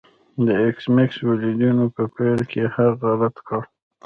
د ایس میکس والدینو په پیل کې هغه رد کړ